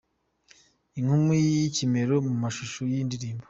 Inkumi y'ikimero mu mashusho y'iyi ndirimbo.